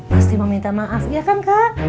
pasti mau minta maaf ya kan kak